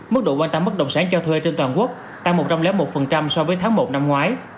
mức độ quan tâm bất động sản cho thuê trên toàn quốc tăng một trăm linh một so với tháng một năm ngoái